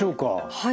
はい。